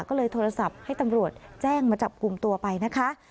ก็เลยโทรศัพท์ให้ตำรวจแจ้งมาจับกลุ่มตัวไปนะคะ